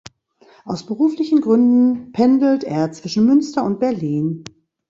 Aus beruflichen Gründen pendelt er zwischen Münster und Berlin.